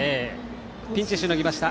ピンチしのぎました